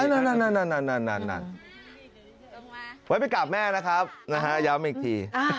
ไว้ไปกราบแม่นะครับย้ำอีกที